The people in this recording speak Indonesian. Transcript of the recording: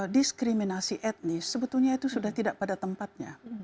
diskriminasi etnis sebetulnya itu sudah tidak pada tempatnya